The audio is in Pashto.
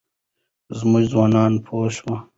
زموږ ځوانان پوه شي.